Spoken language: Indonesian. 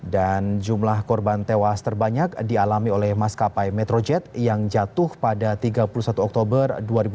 dan jumlah korban tewas terbanyak dialami oleh maskapai metrojet yang jatuh pada tiga puluh satu oktober dua ribu lima belas